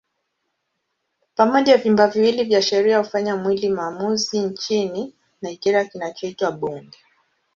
Pamoja vyumba viwili vya sheria hufanya mwili maamuzi nchini Nigeria kinachoitwa Bunge.